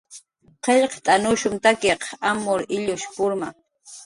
Qillqt'anushumtakiq amur illush nurma